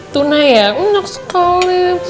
tuna ya enak sekali